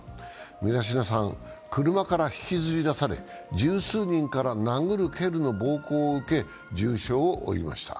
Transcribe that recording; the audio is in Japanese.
ミラシナさん車から引きずり出され、十数人から殴る蹴るの暴行を受け重傷を負いました。